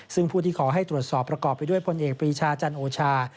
ซึ่งผู้ที่ขอให้ตรวจสอบประกอบไปด้วยพลเอกปรีชาจันโอชา